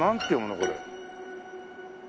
これ。